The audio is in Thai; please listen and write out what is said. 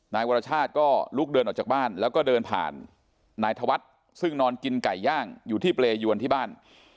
นายวรชาติก็ลุกเดินออกจากบ้านแล้วก็เดินผ่านนายธวัฒน์ซึ่งนอนกินไก่ย่างอยู่ที่เปรยวนที่บ้าน